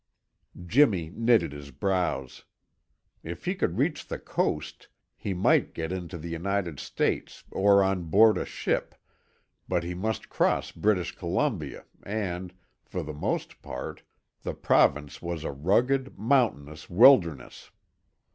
Jimmy knitted his brows. If he could reach the coast, he might get into the United States or on board a ship, but he must cross British Columbia and, for the most part, the province was a rugged, mountainous wilderness.